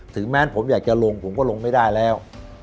ถึงแม้ผมอยากจะลงผมก็ลงไม่ได้แล้ว